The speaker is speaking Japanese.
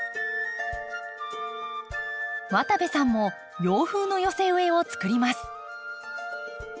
渡部さんも洋風の寄せ植えを作ります。